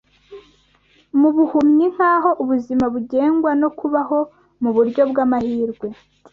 mu buhumyi nk’aho ubuzima bugengwa no kubaho mu buryo bw’amahirwe